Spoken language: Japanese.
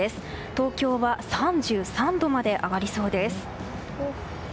東京は３３度まで上がりそうです。